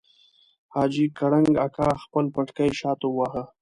حاجي کړنګ اکا خپل پټکی شاته وواهه.